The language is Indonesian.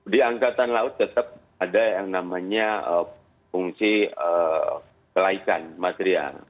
di angkatan laut tetap ada yang namanya fungsi kelaikan material